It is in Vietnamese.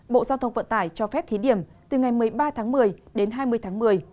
bộ giao thông vận tải cho phép thí điểm từ ngày một mươi ba tháng một mươi đến hai mươi tháng một mươi